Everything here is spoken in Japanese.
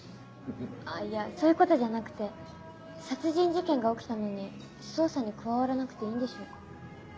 あっいやそういう事じゃなくて殺人事件が起きたのに捜査に加わらなくていいんでしょうか？